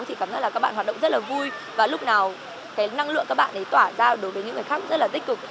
thì cảm giác là các bạn hoạt động rất là vui và lúc nào cái năng lượng các bạn ấy tỏa ra đối với những người khác rất là tích cực